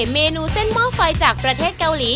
เมนูเส้นหม้อไฟจากประเทศเกาหลี